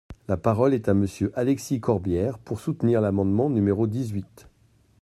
La parole est à Monsieur Alexis Corbière, pour soutenir l’amendement numéro dix-huit.